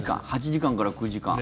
８時間から９時間。